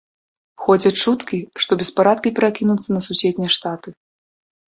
Ходзяць чуткі, што беспарадкі перакінуцца на суседнія штаты.